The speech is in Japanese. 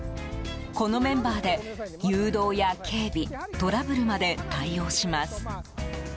このメンバーで誘導や警備トラブルまで対応します。